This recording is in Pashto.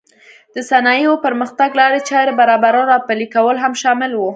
د صنایعو پرمختګ لارې چارې برابرول او پلې کول هم شامل و.